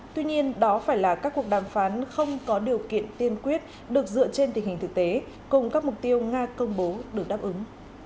tuy nhiên đó phải là các cuộc đàm phán không có điều kiện tiên quyết được dựa trên tình hình thực tế cùng các mục tiêu nga công bố được đáp ứng